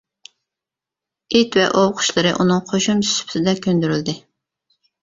ئىت ۋە ئوۋ قۇشلىرى ئۇنىڭ قوشۇمچىسى سۈپىتىدە كۆندۈرۈلدى.